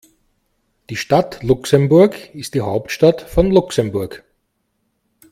Die Stadt Luxemburg ist die Hauptstadt von Luxemburg.